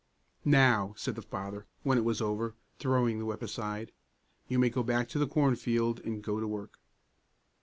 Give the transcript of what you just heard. "Now," said the father, when it was over, throwing the whip aside, "you may go back to the cornfield and go to work."